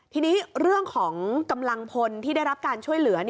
ทีนี้เรื่องของกำลังพลที่ได้รับการช่วยเหลือ